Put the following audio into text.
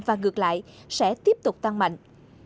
và ngược lại sẽ tiếp tục tăng mạnh